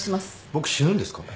僕死ぬんですか？